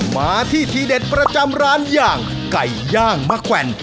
มาที่ทีเด็ดประจำร้านอย่างไก่ย่างมะแกวน